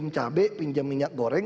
cabai pinjam minyak goreng